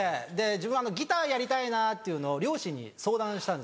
自分ギターやりたいなというのを両親に相談したんですよ。